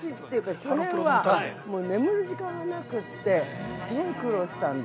去年は、眠る時間がなくってすごい苦労したんで。